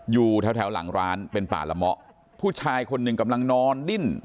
อยู่แถวแถวหลังร้านเป็นป่าละเมาะผู้ชายคนหนึ่งกำลังนอนดิ้น